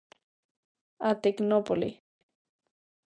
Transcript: A Tecnópole.